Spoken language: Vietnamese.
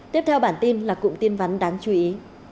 tiếp theo bản tin là cụm tin vắn đáng chú ý